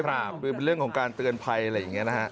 หรือเป็นเรื่องของการเตือนภัยอะไรอย่างนี้นะฮะ